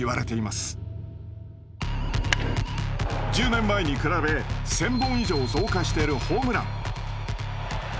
１０年前に比べ１，０００本以上増加しているホームラン。